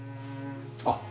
あっ！